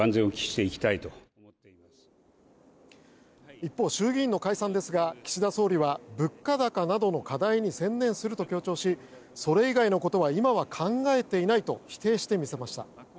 一方、衆議院の解散ですが岸田総理は物価高などの課題に専念すると強調しそれ以外のことは今は考えていないと否定してみせました。